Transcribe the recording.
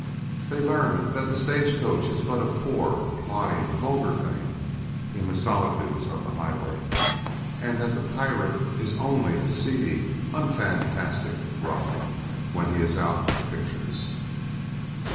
They learned then that the stagecoach is but a poor, plodding, vulgar thing in the solitudes of the highway; and that the pirate is only a seedy, unfantastic "rough," when he is out of the pictures.